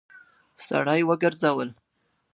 سړی وګرځول.